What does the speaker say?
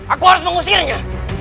aku harus mengusirnya